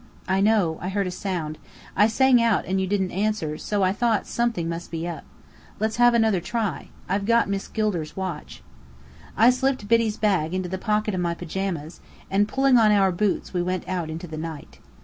"I know. I heard a sound. I sang out, and you didn't answer, so I thought something must be up. Let's have another try. I've got Miss Gilder's watch." I slipped Biddy's bag into the pocket of my pyjamas, and pulling on our boots we went out into the night.